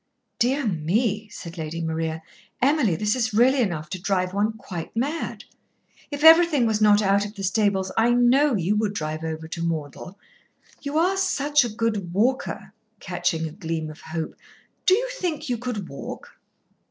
"Dear me!" said Lady Maria. "Emily, this is really enough to drive one quite mad. If everything was not out of the stables, I know you would drive over to Maundell. You are such a good walker," catching a gleam of hope, "do you think you could walk?"